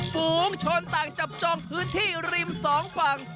ฝูงชนต่างจับจองพื้นที่ริมสองฝั่ง